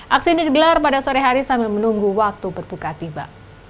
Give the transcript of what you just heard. aksi ini digelar pada sore hari sambil menunggu waktu berbuka tiba